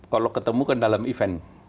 kalau ketemu kan dalam event